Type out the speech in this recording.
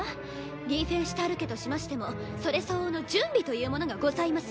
リーフェンシュタール家としましてもそれ相応の準備というものがございます。